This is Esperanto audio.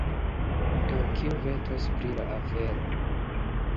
Do, kiu vetos pri la afero?